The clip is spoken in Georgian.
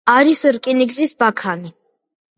არის რკინიგზის ბაქანი.